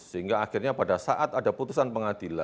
sehingga akhirnya pada saat ada putusan pengadilan